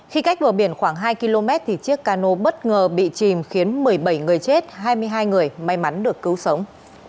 khi cách bờ biển khoảng hai km thì chiếc cano bất ngờ bị chìm khiến một mươi bảy người chết hai mươi hai người may mắn được cứu sống